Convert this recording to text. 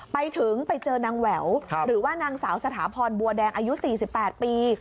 ไปถึงไปเจอนางแหววหรือว่านางสาวสถาพรบัวแดงอายุ๔๘ปี